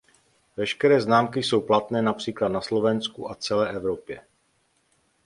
Veškeré známky jsou platné například na Slovensku a celé Evropě.